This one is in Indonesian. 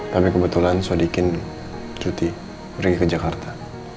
tapi kebetulan sudah dikirim cuti pergi ke jakarta